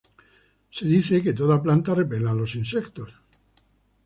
Se dice que toda la planta repele a los insectos.